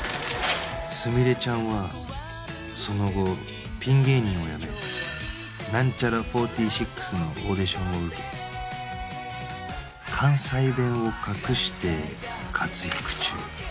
すみれちゃんはその後ピン芸人を辞めなんちゃら４６のオーディションを受け関西弁を隠して活躍中